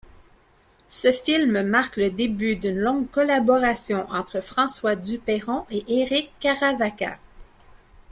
Ce film marque le début d'une longue collaboration entre François Dupeyron et Éric Caravaca.